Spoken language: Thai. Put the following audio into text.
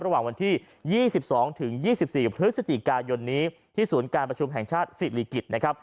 ระหว่างวันที่๒๒ถึง๒๒๔พฤศจิกายนนี้ที่ศูนย์การประชุมแห่งชาติศิริกิจนะครับ